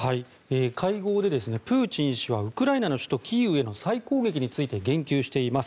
会合で、プーチン氏はウクライナの首都キーウへの再攻撃について言及しています。